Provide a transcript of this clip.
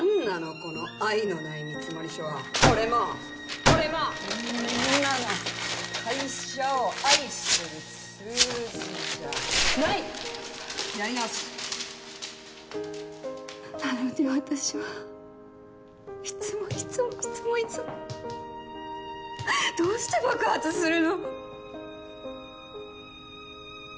この愛のない見積書はこれもこれもこんなの会社を愛してる数字じゃないやり直しなのに私はいつもいつもいつもいつもどうして爆発するの？